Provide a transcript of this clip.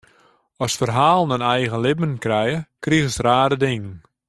As ferhalen in eigen libben krije, krigest rare dingen.